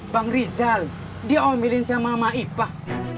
bang rizal dia omelin sama mama ipah